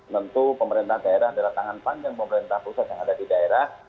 tentu pemerintah daerah adalah tangan panjang pemerintah pusat yang ada di daerah